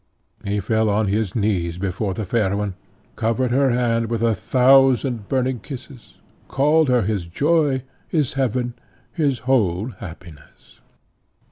He fell on his knees before the fair one, covered her hand with a thousand burning kisses, called her his joy, his heaven, his whole happiness.